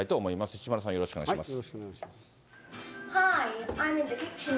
石丸さん、よろしくお願いします。